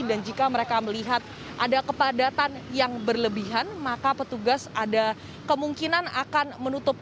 dan jika mereka melihat ada kepadatan yang berlebihan maka petugas ada kemungkinan akan menutup